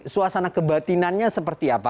suasana kebatinannya seperti apa